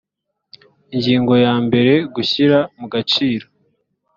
ingingo ya mbere gushyira mu gaciro